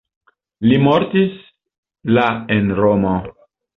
Li mortis la en Romo.